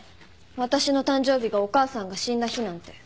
私の誕生日がお母さんが死んだ日なんて。